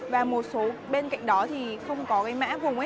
và một số bên cạnh đó thì không có cái mã vùng ấy